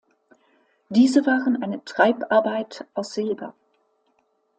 Diese waren eine Treibarbeit aus Silber.